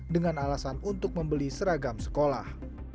dengan alasan untuk membeli seragam sekolah